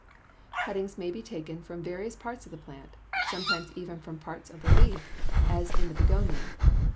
Cuttings may be taken from various parts of the plant, sometimes even from parts of the leaf, as in the begonia (Fig.